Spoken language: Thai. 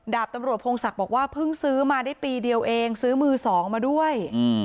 ดาบตำรวจพงศักดิ์บอกว่าเพิ่งซื้อมาได้ปีเดียวเองซื้อมือสองมาด้วย